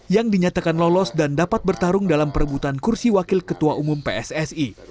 yang dinyatakan lolos dan dapat bertarung dalam perebutan kursi wakil ketua umum pssi